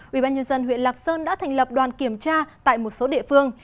ubnd huyện lạc sơn đã thành lập đoàn kiểm tra tại một số địa phương